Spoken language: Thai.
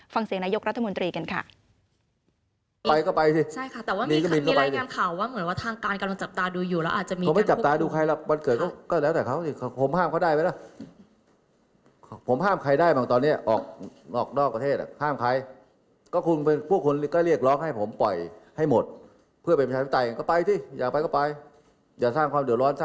ฟังเสียงนายกรัฐมนตรีกันค่ะ